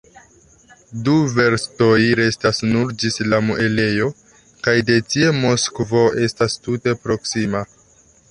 Du verstoj restas nur ĝis la muelejo, kaj de tie Moskvo estas tute proksima.